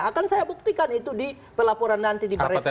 akan saya buktikan itu di pelaporan nanti di paris